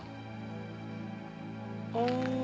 bacar gitu loh